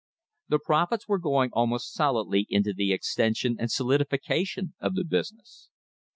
The profits were going almost solidly into the extension and solidification of the business.